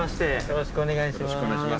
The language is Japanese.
よろしくお願いします。